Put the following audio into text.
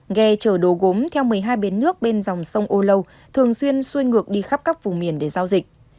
ghe chở đồ gốm theo một mươi hai bến nước bên dòng sông âu lâu thường xuyên xuôi ngược đi khắp các vùng miền để giao dịch